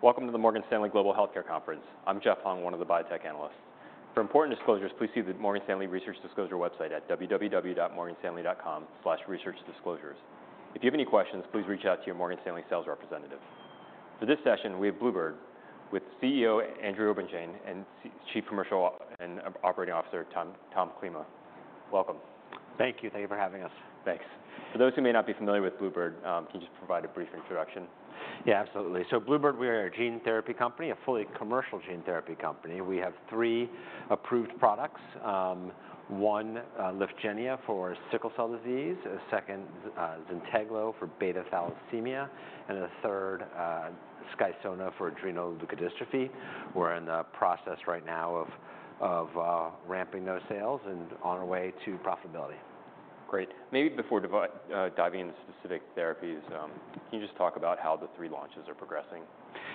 Welcome to the Morgan Stanley Global Healthcare Conference. I'm Jeff Hung, one of the biotech analysts. For important disclosures, please see the Morgan Stanley Research Disclosure website at www.morganstanley.com/researchdisclosures. If you have any questions, please reach out to your Morgan Stanley sales representative. For this session, we have Bluebird with CEO Andrew Obenshain, and Chief Commercial and Operating Officer, Tom Klima. Welcome. Thank you. Thank you for having us. Thanks. For those who may not be familiar with Bluebird, can you just provide a brief introduction? Yeah, absolutely. So Bluebird, we are a gene therapy company, a fully commercial gene therapy company. We have three approved products. One, Lyfgenia for sickle cell disease, a second, Zynteglo for beta thalassemia, and a third, Skysona for adrenoleukodystrophy. We're in the process right now of ramping those sales and on our way to profitability. Great! Maybe before diving into specific therapies, can you just talk about how the three launches are progressing?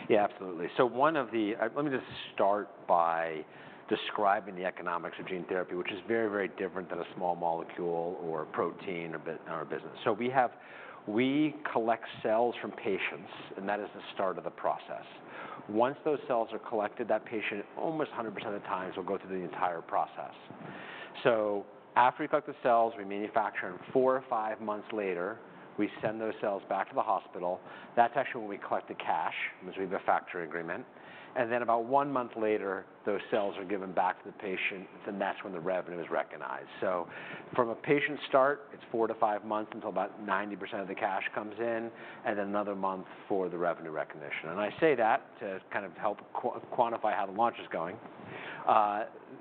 Yeah, absolutely. Let me just start by describing the economics of gene therapy, which is very, very different than a small molecule or a protein in our business. We collect cells from patients, and that is the start of the process. Once those cells are collected, that patient almost 100% of the times will go through the entire process. After we collect the cells, we manufacture them. Four or five months later, we send those cells back to the hospital. That's actually when we collect the cash, because we have a factory agreement, and then about one month later, those cells are given back to the patient, and that's when the revenue is recognized. From a patient start, it's four to five months until about 90% of the cash comes in, and another month for the revenue recognition. I say that to kind of help quantify how the launch is going.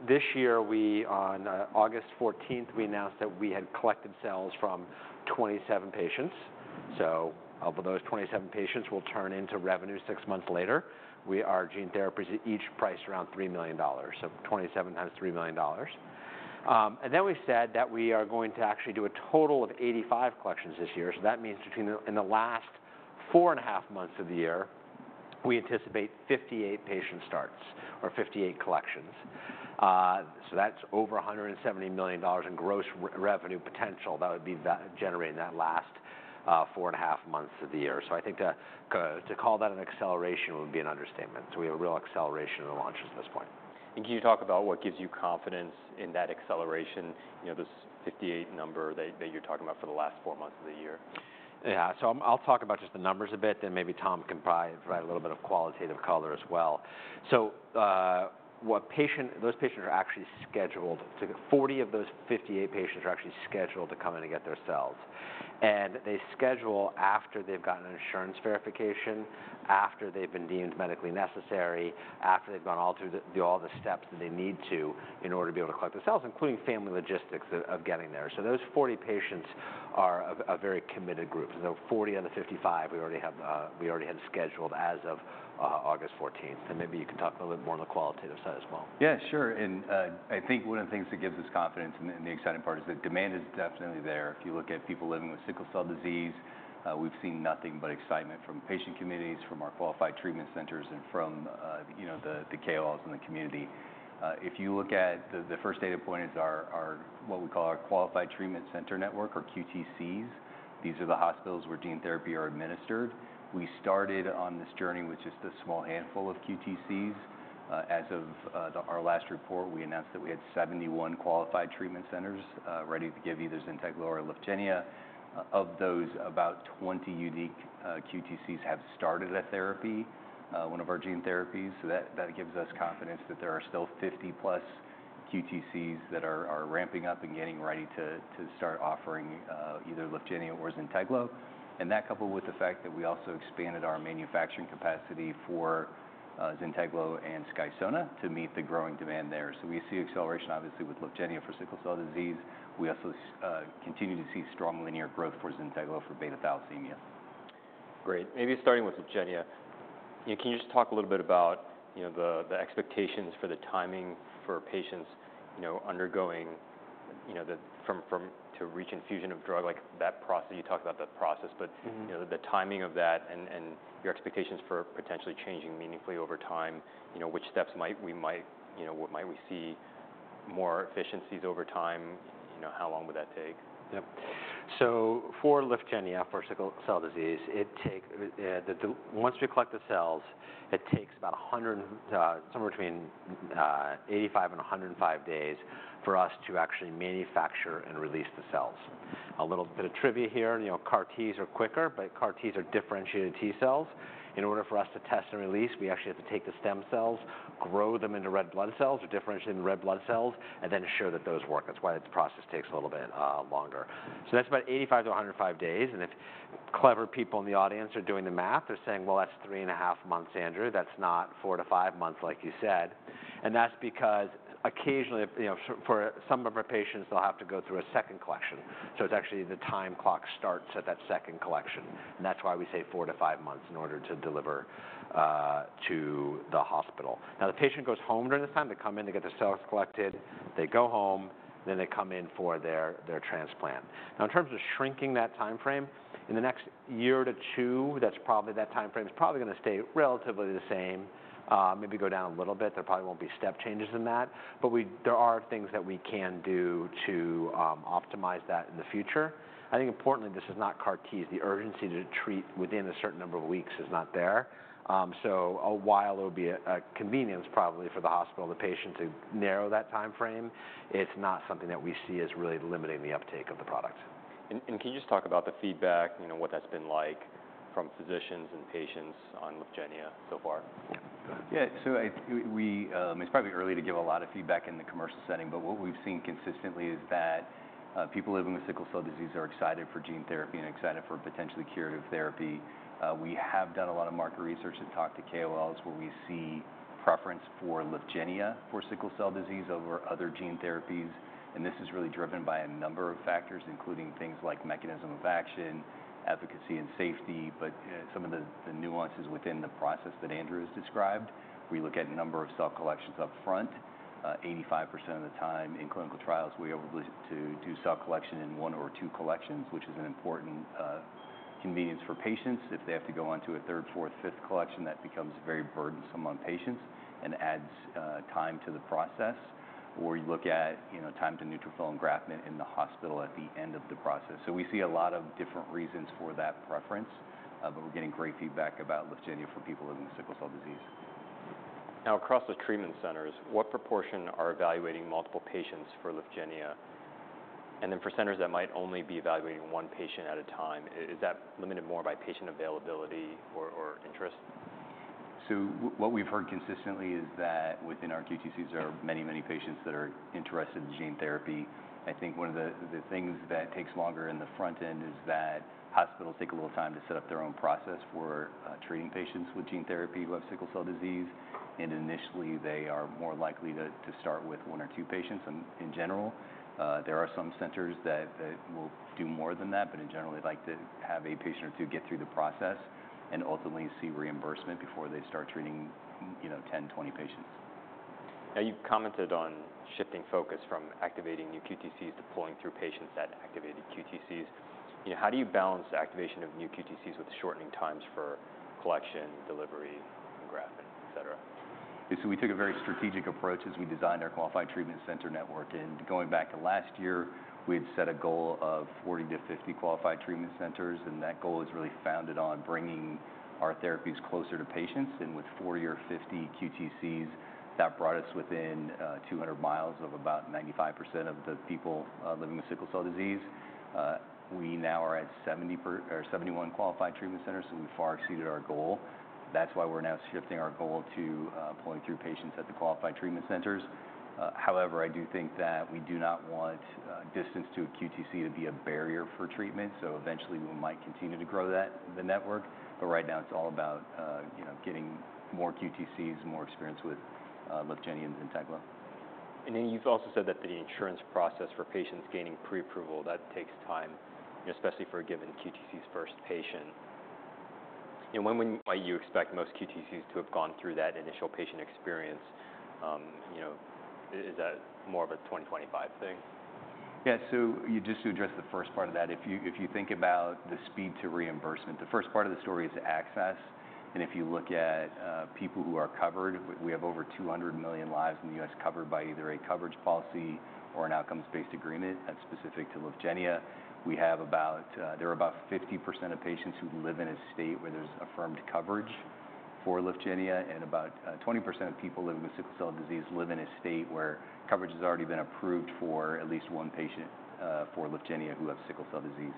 This year, on August fourteenth, we announced that we had collected cells from 27 patients. Of those 27 patients will turn into revenue six months later. Our gene therapies each priced around $3 million, so 27 times $3 million. And then we said that we are going to actually do a total of 85 collections this year. That means in the last four and a half months of the year, we anticipate 58 patient starts or 58 collections. So that's over $170 million in gross revenue potential that would be generated in that last four and a half months of the year. So I think that to call that an acceleration would be an understatement. So we have a real acceleration in the launches at this point. Can you talk about what gives you confidence in that acceleration, you know, this 58 number that you're talking about for the last four months of the year? Yeah. So I'll talk about just the numbers a bit, then maybe Tom can provide a little bit of qualitative color as well. Those patients are actually scheduled. 40 of those 58 patients are actually scheduled to come in and get their cells. And they schedule after they've gotten an insurance verification, after they've been deemed medically necessary, after they've gone all through the steps that they need to in order to be able to collect the cells, including family logistics of getting there. Those 40 patients are a very committed group. We already had 40 out of 55 scheduled as of August 14, and maybe you can talk a little bit more on the qualitative side as well. Yeah, sure. And I think one of the things that gives us confidence and the exciting part is the demand is definitely there. If you look at people living with sickle cell disease, we've seen nothing but excitement from patient committees, from our Qualified Treatment Centers, and from, you know, the KOLs in the community. If you look at the first data point is our what we call our Qualified Treatment Center network, or QTCs. These are the hospitals where gene therapy are administered. We started on this journey with just a small handful of QTCs. As of our last report, we announced that we had 71 Qualified Treatment Centers ready to give either Zynteglo or Lyfgenia. Of those, about 20 unique QTCs have started a therapy, one of our gene therapies. That gives us confidence that there are still fifty plus QTCs that are ramping up and getting ready to start offering either Lyfgenia or Zynteglo. And that coupled with the fact that we also expanded our manufacturing capacity for Zynteglo and Skysona to meet the growing demand there. We see acceleration, obviously, with Lyfgenia for sickle cell disease. We also continue to see strong linear growth for Zynteglo for beta thalassemia. Great! Maybe starting with Lyfgenia, yeah, can you just talk a little bit about, you know, the expectations for the timing for patients, you know, undergoing, you know, to reach infusion of drug, like that process? You talked about that process. but, you know, the timing of that and your expectations for potentially changing meaningfully over time, you know, what might we see more efficiencies over time? You know, how long would that take? Yep. So for Lyfgenia, for sickle cell disease, once we collect the cells, it takes about a hundred, somewhere between eighty-five and a hundred and five days for us to actually manufacture and release the cells. A little bit of trivia here, and you know, CAR T's are quicker, but CAR T's are differentiated T cells. In order for us to test and release, we actually have to take the stem cells, grow them into red blood cells or differentiate into red blood cells, and then ensure that those work. That's why this process takes a little bit longer. So that's about eighty-five to a hundred and five days, and if clever people in the audience are doing the math, they're saying: "Well, that's three and a half months, Andrew. That's not four to five months like you said," and that's because occasionally, you know, for some of our patients, they'll have to go through a second collection. So it's actually the time clock starts at that second collection, and that's why we say four to five months in order to deliver to the hospital. Now, the patient goes home during this time. They come in to get their cells collected, they go home, then they come in for their transplant. Now, in terms of shrinking that timeframe, in the next year to two, that's probably that timeframe is probably gonna stay relatively the same, maybe go down a little bit. There probably won't be step changes in that, but there are things that we can do to optimize that in the future. I think importantly, this is not CAR T. The urgency to treat within a certain number of weeks is not there. So while it would be a convenience probably for the hospital, the patient to narrow that timeframe, it's not something that we see as really limiting the uptake of the product. Can you just talk about the feedback, you know, what that's been like from physicians and patients on Lyfgenia so far? Yeah. So we, it's probably early to give a lot of feedback in the commercial setting, but what we've seen consistently is that people living with sickle cell disease are excited for gene therapy and excited for potentially curative therapy. We have done a lot of market research and talked to KOLs, where we see preference for Lyfgenia for sickle cell disease over other gene therapies, and this is really driven by a number of factors, including things like mechanism of action, efficacy, and safety. But some of the nuances within the process that Andrew has described, we look at number of cell collections up front. 85% of the time in clinical trials, we're able to do cell collection in one or two collections, which is an important convenience for patients. If they have to go on to a third, fourth, fifth collection, that becomes very burdensome on patients and adds time to the process. Or you look at, you know, time to neutrophil engraftment in the hospital at the end of the process. So we see a lot of different reasons for that preference, but we're getting great feedback about Lyfgenia for people living with sickle cell disease. Now, across the treatment centers, what proportion are evaluating multiple patients for Lyfgenia? And then for centers that might only be evaluating one patient at a time, is that limited more by patient availability or interest? So what we've heard consistently is that within our QTCs, there are many, many patients that are interested in gene therapy. I think one of the things that takes longer in the front end is that hospitals take a little time to set up their own process for treating patients with gene therapy who have sickle cell disease, and initially, they are more likely to start with one or two patients in general. There are some centers that will do more than that, but in general, they like to have a patient or two get through the process and ultimately see reimbursement before they start treating, you know, 10, 20 patients. Now, you've commented on shifting focus from activating new QTCs to flowing through patients at activated QTCs. You know, how do you balance the activation of new QTCs with shortening times for collection, delivery, engraftment, et cetera? Yeah, so we took a very strategic approach as we designed our qualified treatment center network, and going back to last year, we had set a goal of 40-50 qualified treatment centers, and that goal is really founded on bringing our therapies closer to patients, and with 40 or 50 QTCs, that brought us within 200 miles of about 95% of the people living with sickle cell disease. We now are at 71 qualified treatment centers, so we far exceeded our goal. That's why we're now shifting our goal to pulling through patients at the qualified treatment centers. However, I do think that we do not want distance to a QTC to be a barrier for treatment, so eventually, we might continue to grow that network. But right now, it's all about, you know, getting more QTCs, more experience with Lyfgenia and Zynteglo. And then you've also said that the insurance process for patients gaining pre-approval, that takes time, especially for a given QTC's first patient. And when might you expect most QTCs to have gone through that initial patient experience? You know, is that more of a twenty twenty-five thing? Yeah, so just to address the first part of that, if you think about the speed to reimbursement, the first part of the story is access, and if you look at people who are covered, we have over two hundred million lives in the U.S. covered by either a coverage policy or an outcomes-based agreement that's specific to Lyfgenia. There are about 50% of patients who live in a state where there's affirmed coverage for Lyfgenia, and about 20% of people living with sickle cell disease live in a state where coverage has already been approved for at least one patient for Lyfgenia who have sickle cell disease.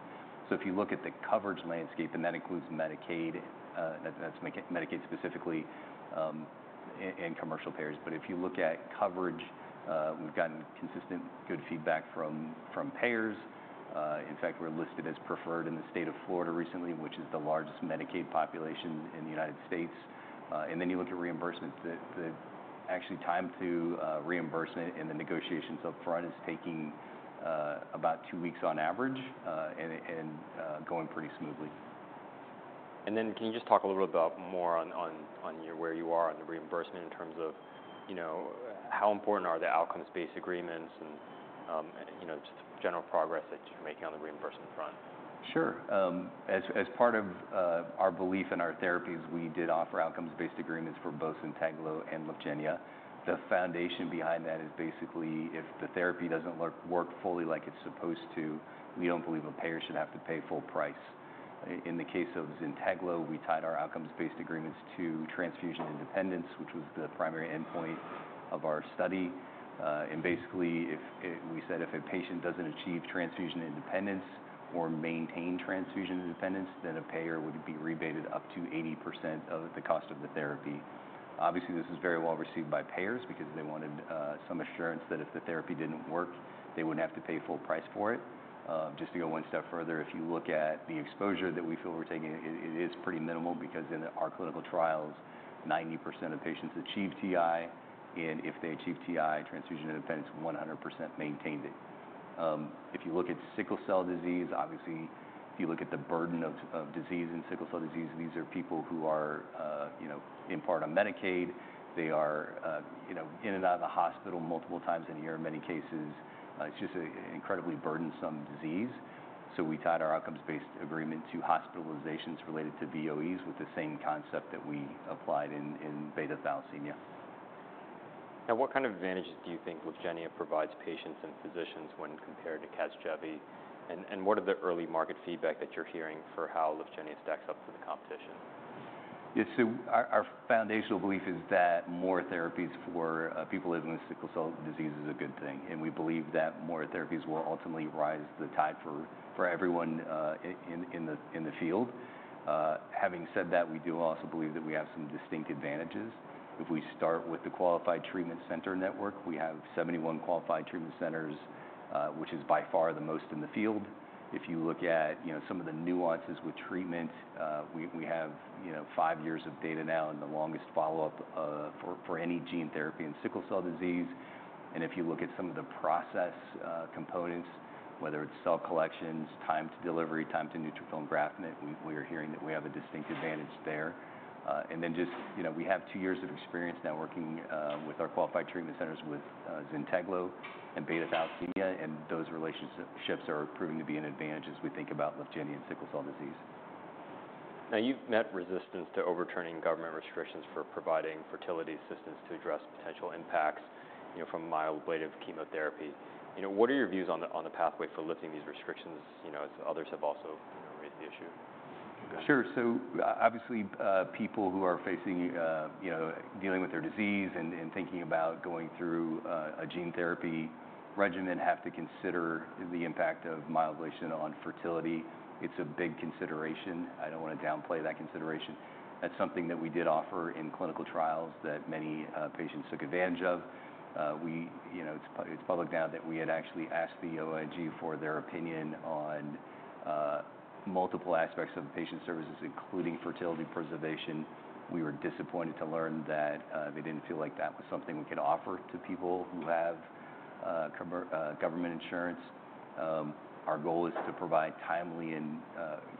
So if you look at the coverage landscape, and that includes Medicaid, that's Medicaid specifically, and commercial payers, but if you look at coverage, we've gotten consistent good feedback from payers. In fact, we're listed as preferred in the state of Florida recently, which is the largest Medicaid population in the United States, then you look at reimbursements. The actual time to reimbursement and the negotiations up front is taking about two weeks on average, and going pretty smoothly. And then, can you just talk a little bit about more on where you are on the reimbursement in terms of, you know, how important are the outcomes-based agreements and, you know, just general progress that you're making on the reimbursement front? Sure. As part of our belief in our therapies, we did offer outcomes-based agreements for both Zynteglo and Lyfgenia. The foundation behind that is basically, if the therapy doesn't work fully like it's supposed to, we don't believe a payer should have to pay full price. In the case of Zynteglo, we tied our outcomes-based agreements to transfusion independence, which was the primary endpoint of our study. And basically, if we said if a patient doesn't achieve transfusion independence or maintain transfusion independence, then a payer would be rebated up to 80% of the cost of the therapy. Obviously, this is very well-received by payers because they wanted some assurance that if the therapy didn't work, they wouldn't have to pay full price for it. Just to go one step further, if you look at the exposure that we feel we're taking, it is pretty minimal because in our clinical trials, 90% of patients achieve TI, and if they achieve TI, transfusion independence, 100% maintained it. If you look at sickle cell disease, obviously, if you look at the burden of disease in sickle cell disease, these are people who are, you know, in part on Medicaid. They are, you know, in and out of the hospital multiple times in a year in many cases. It's just an incredibly burdensome disease. So we tied our outcomes-based agreement to hospitalizations related to VOEs with the same concept that we applied in beta thalassemia. Now, what kind of advantages do you think Lyfgenia provides patients and physicians when compared to Casgevy? And what are the early market feedback that you're hearing for how Lyfgenia stacks up to the competition? Yeah, so our foundational belief is that more therapies for people living with sickle cell disease is a good thing, and we believe that more therapies will ultimately rise to the tide for everyone in the field. Having said that, we do also believe that we have some distinct advantages. If we start with the qualified treatment center network, we have 71 qualified treatment centers, which is by far the most in the field. If you look at you know some of the nuances with treatment, we have you know five years of data now, and the longest follow-up for any gene therapy in sickle cell disease. If you look at some of the process components, whether it's cell collections, time to delivery, time to neutrophil engraftment, we are hearing that we have a distinct advantage there. Then just, you know, we have two years of experience now working with our qualified treatment centers with Zynteglo and beta thalassemia, and those relationships are proving to be an advantage as we think about Lyfgenia and sickle cell disease. Now, you've met resistance to overturning government restrictions for providing fertility assistance to address potential impacts, you know, from myeloablative chemotherapy. You know, what are your views on the pathway for lifting these restrictions, you know, as others have also raised the issue? Sure, so obviously, people who are facing, you know, dealing with their disease and thinking about going through a gene therapy regimen, have to consider the impact of myeloablation on fertility. It's a big consideration. I don't want to downplay that consideration. That's something that we did offer in clinical trials that many patients took advantage of. We... You know, it's public now that we had actually asked the OIG for their opinion on multiple aspects of patient services, including fertility preservation. We were disappointed to learn that they didn't feel like that was something we could offer to people who have government insurance. Our goal is to provide timely and,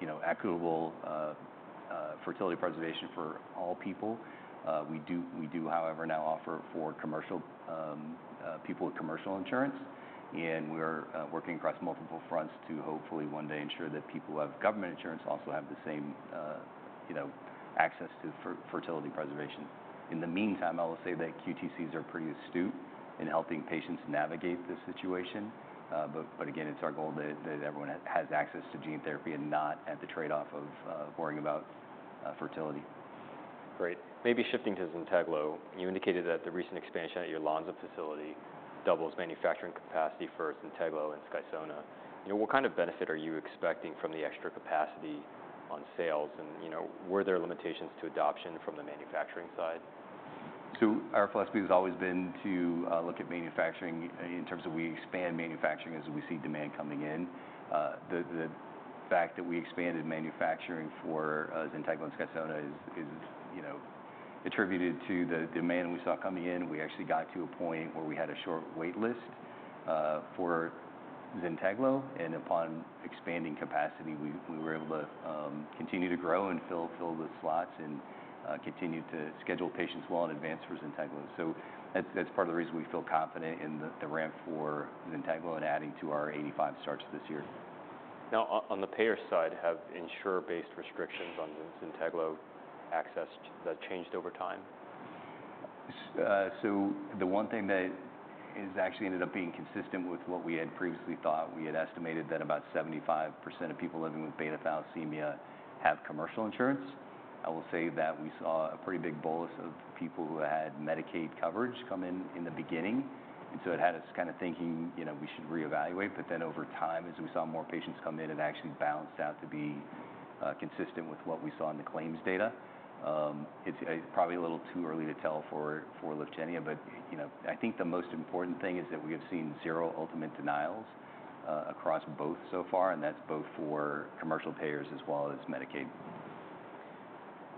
you know, equitable fertility preservation for all people. We do, however, now offer for commercial people with commercial insurance, and we're working across multiple fronts to hopefully one day ensure that people who have government insurance also have the same, you know, access to fertility preservation. In the meantime, I will say that QTCs are pretty astute in helping patients navigate the situation. But again, it's our goal that everyone has access to gene therapy and not at the trade-off of worrying about fertility. Great. Maybe shifting to Zynteglo, you indicated that the recent expansion at your Lonza facility doubles manufacturing capacity for Zynteglo and Skysona. You know, what kind of benefit are you expecting from the extra capacity on sales, and, you know, were there limitations to adoption from the manufacturing side? Our philosophy has always been to look at manufacturing in terms of we expand manufacturing as we see demand coming in. The fact that we expanded manufacturing for Zynteglo and Skysona is, you know, attributed to the demand we saw coming in. We actually got to a point where we had a short wait list for Zynteglo, and upon expanding capacity, we were able to continue to grow and fill the slots, and continue to schedule patients well in advance for Zynteglo. That's part of the reason we feel confident in the ramp for Zynteglo and adding to our 85 starts this year. Now, on the payer side, have insurer-based restrictions on ZYNTEGLO access that changed over time? So the one thing that is actually ended up being consistent with what we had previously thought, we had estimated that about 75% of people living with beta thalassemia have commercial insurance. I will say that we saw a pretty big bolus of people who had Medicaid coverage come in in the beginning, and so it had us kind of thinking, you know, we should reevaluate. But then over time, as we saw more patients come in, it actually balanced out to be consistent with what we saw in the claims data. It's probably a little too early to tell for Lyfgenia, but, you know, I think the most important thing is that we have seen zero ultimate denials across both so far, and that's both for commercial payers as well as Medicaid.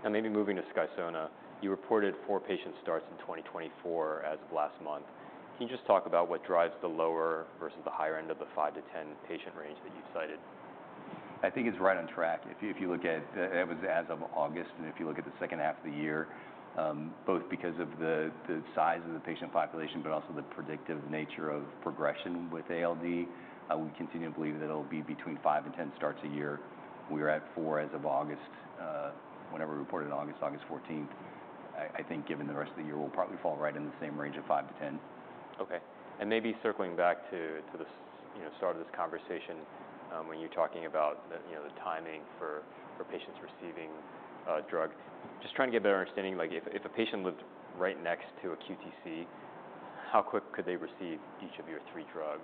Maybe moving to Skysona, you reported four patient starts in 2024 as of last month. Can you just talk about what drives the lower versus the higher end of the 5-10 patient range that you've cited? I think it's right on track. If you look at, it was as of August, and if you look at the second half of the year, both because of the size of the patient population, but also the predictive nature of progression with ALD, we continue to believe that it'll be between five and ten starts a year. We are at four as of August, whenever we reported in August, August fourteenth. I think given the rest of the year, we'll probably fall right in the same range of five to ten. Okay. And maybe circling back to the start of this conversation, when you're talking about the timing for patients receiving drug. Just trying to get a better understanding, like, if a patient lived right next to a QTC, how quick could they receive each of your three drugs?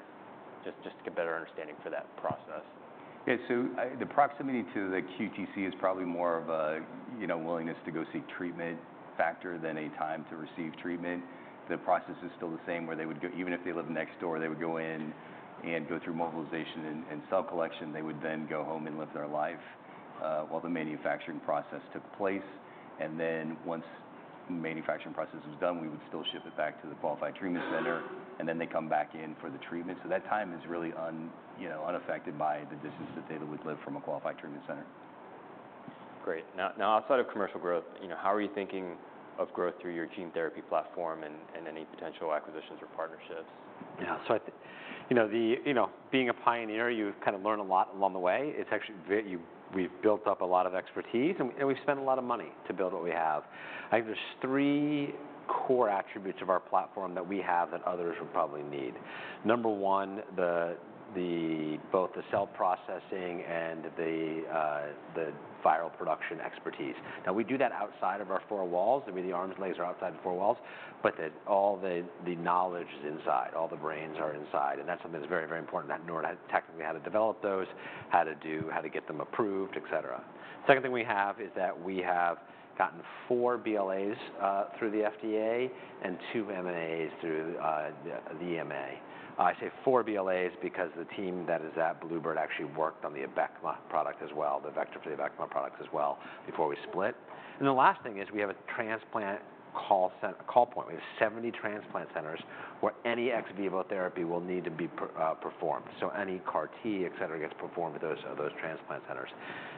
Just to get a better understanding for that process. Yeah. So the proximity to the QTC is probably more of a, you know, willingness to go seek treatment factor than a time to receive treatment. The process is still the same, where they would go, even if they lived next door, they would go in and go through mobilization and cell collection. They would then go home and live their life while the manufacturing process took place, and then once the manufacturing process was done, we would still ship it back to the Qualified Treatment Center, and then they come back in for the treatment. So that time is really unaffected by the distance that they would live from a Qualified Treatment Center. Great. Now, outside of commercial growth, you know, how are you thinking of growth through your gene therapy platform and any potential acquisitions or partnerships? Yeah. You know, being a pioneer, you kind of learn a lot along the way. It's actually we've built up a lot of expertise, and we've spent a lot of money to build what we have.... I think there's three core attributes of our platform that we have that others would probably need. Number one, the both the cell processing and the viral production expertise. Now, we do that outside of our four walls. I mean, the arms and legs are outside the four walls, but the all the knowledge is inside, all the brains are inside, and that's something that's very, very important, that in order technically, how to develop those, how to do. How to get them approved, et cetera. Second thing we have, is that we have gotten four BLAs through the FDA and two MAAs through the EMA. I say four BLAs because the team that is at Bluebird actually worked on the Abecma product as well, the vector for the Abecma products as well, before we split. And the last thing is, we have a transplant call point. We have 70 transplant centers, where any ex vivo therapy will need to be performed. So any CAR T, et cetera, gets performed at those transplant centers.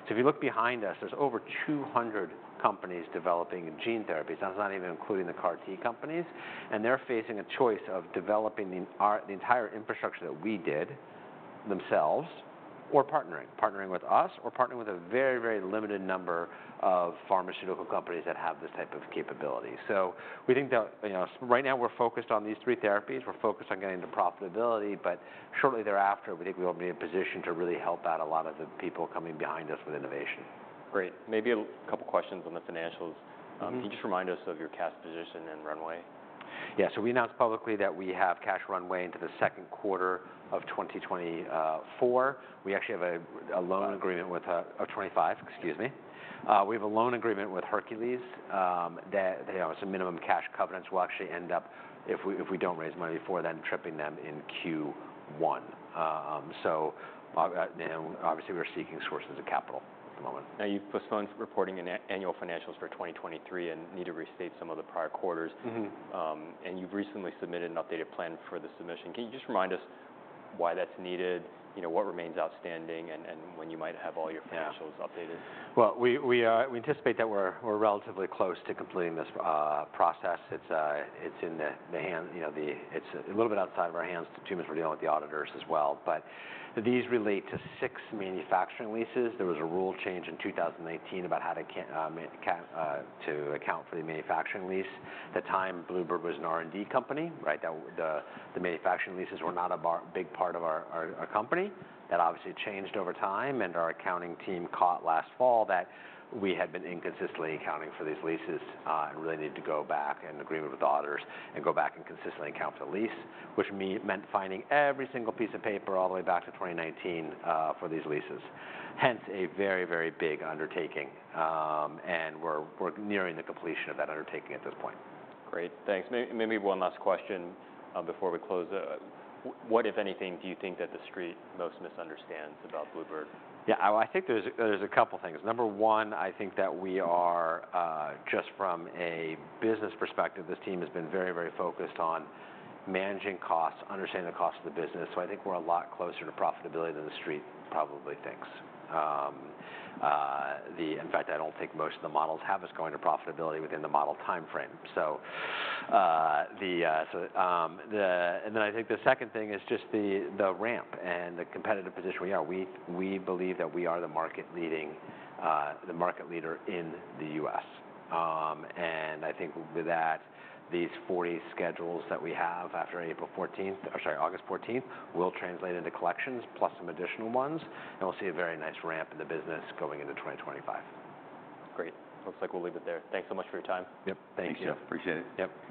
So if you look behind us, there's over 200 companies developing gene therapies, and that's not even including the CAR T companies, and they're facing a choice of developing the entire infrastructure that we did themselves, or partnering. Partnering with us, or partnering with a very, very limited number of pharmaceutical companies that have this type of capability. So we think that, you know, so right now we're focused on these three therapies. We're focused on getting to profitability, but shortly thereafter, we think we will be in position to really help out a lot of the people coming behind us with innovation. Great. Maybe a couple questions on the financials. Mm-hmm. Can you just remind us of your cash position and runway? Yeah. So we announced publicly that we have cash runway into the second quarter of twenty twenty-five. We actually have a loan agreement with Hercules that, you know, some minimum cash covenants will actually end up, if we don't raise money before then, tripping them in Q1. So, you know, obviously, we're seeking sources of capital at the moment. Now, you've postponed reporting an annual financials for 2023 and need to restate some of the prior quarters. Mm-hmm. You've recently submitted an updated plan for the submission. Can you just remind us why that's needed, you know, what remains outstanding, and when you might have all your- Yeah... financials updated? We anticipate that we're relatively close to completing this process. It's in the hands, you know. It's a little bit outside of our hands, too, because we're dealing with the auditors as well. But these relate to six manufacturing leases. There was a rule change in 2018 about how to account for the manufacturing lease. At the time, Bluebird was an R&D company, right? The manufacturing leases were not a big part of our company. That obviously changed over time, and our accounting team caught last fall that we had been inconsistently accounting for these leases, and really needed to go back and reach agreement with the auditors and go back and consistently account for the lease, which meant finding every single piece of paper all the way back to 2019, for these leases. Hence, a very, very big undertaking, and we're nearing the completion of that undertaking at this point. Great, thanks. Maybe one last question before we close. What, if anything, do you think that the Street most misunderstands about Bluebird? Yeah, I think there's a couple things. Number one, I think that we are just from a business perspective, this team has been very, very focused on managing costs, understanding the cost of the business, so I think we're a lot closer to profitability than the Street probably thinks. In fact, I don't think most of the models have us going to profitability within the model timeframe. And then I think the second thing is just the ramp and the competitive position we are. We believe that we are the market leader in the U.S. And I think with that, these forty schedules that we have after April fourteenth, or sorry, August fourteenth, will translate into collections plus some additional ones, and we'll see a very nice ramp in the business going into 2025. Great. Looks like we'll leave it there. Thanks so much for your time. Yep. Thank you. Appreciate it. Yep.